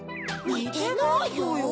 にてないよ。